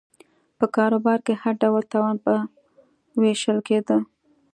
په کاروبار کې هر ډول تاوان به وېشل کېده